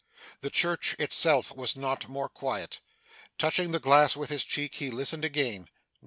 The church itself was not more quiet. Touching the glass with his cheek, he listened again.